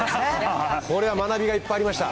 これは学びがいっぱいありました。